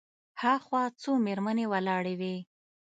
هاخوا څو مېرمنې ولاړې وې.